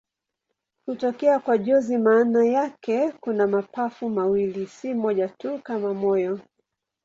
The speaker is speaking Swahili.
Hutokea kwa jozi maana yake kuna mapafu mawili, si moja tu kama moyo.